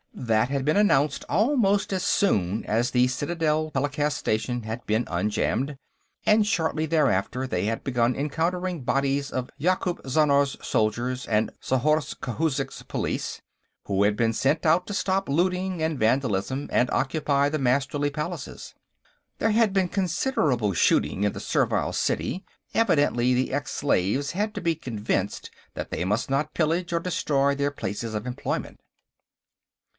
That had been announced almost as soon as the Citadel telecast station had been unjammed, and shortly thereafter they had begun encountering bodies of Yakoop Zhannar's soldiers and Zhorzh Khouzhik's police who had been sent out to stop looting and vandalism and occupy the Masterly palaces. There had been considerable shooting in the Servile City; evidently the ex slaves had to be convinced that they must not pillage or destroy their places of employment.